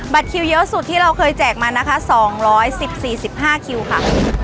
บัตรคิวเยอะสุดที่เราเคยแจกมานะคะสองร้อยสิบสี่สิบห้าคิวค่ะ